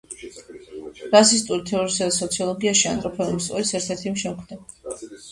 რასისტული თეორიისა და სოციოლოგიაში ანთროპოლოგიური სკოლის ერთ-ერთი შემქმნელი.